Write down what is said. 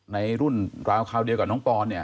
ในรุ่นราวคราวเดียวกับน้องปอนเนี่ย